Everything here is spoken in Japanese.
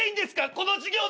この授業で。